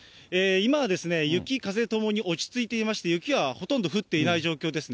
今、雪、風ともに落ち着いていまして、雪はほとんど降っていない状況ですね。